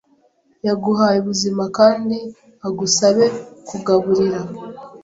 Yaguhaye ubuzima kandi agusabe kugaburira